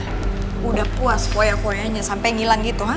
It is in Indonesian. sudah puas foyanya foyanya sampai hilang gitu ha